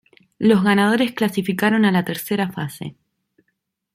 Los ganadores clasificaron a la Tercera fase.